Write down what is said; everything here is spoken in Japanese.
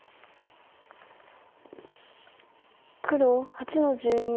黒８の十二。